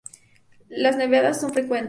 Las nevadas son frecuentes.